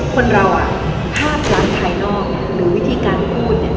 คนเราภาพร้านภายนอกหรือวิธีการพูด